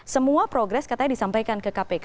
semua progres katanya disampaikan ke kpk